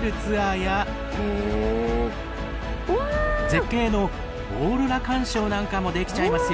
絶景のオーロラ観賞なんかもできちゃいますよ。